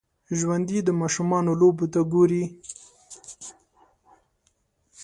ژوندي د ماشومانو لوبو ته ګوري